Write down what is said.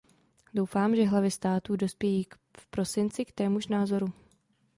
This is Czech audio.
Doufám, že hlavy států dospějí v prosinci k témuž názoru.